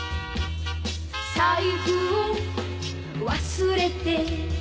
「財布を忘れて」